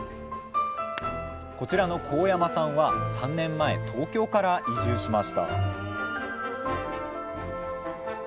こちらの神山さんは３年前東京から移住しました